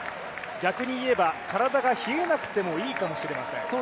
逆に言えば、体が冷えなくていいかもしれません。